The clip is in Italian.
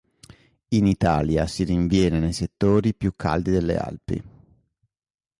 In Italia si rinviene nei settori più caldi delle Alpi.